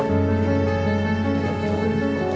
mama sudah senang